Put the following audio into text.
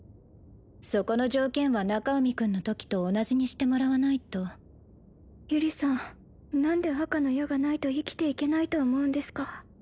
そこの条件は中海君のときと同じにしてもらわないと由理さん何で赤の矢がないと生きていけないと思うんですか？